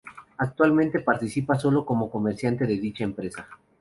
Actualmente participa sólo como comerciante de dicha empresa.